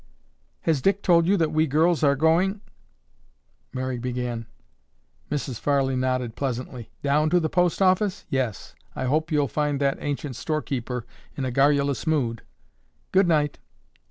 "Has Dick told you that we girls are going?—" Mary began. Mrs. Farley nodded pleasantly. "Down to the post office? Yes, I hope you'll find that ancient storekeeper in a garrulous mood. Good night!"